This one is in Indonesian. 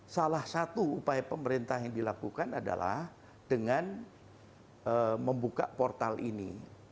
salah satu upaya pemerintah yang dilakukan adalah dengan membuka portal ini